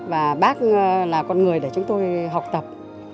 và bác là con người để chúng tôi học tập